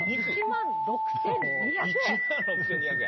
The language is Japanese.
１万６２００円？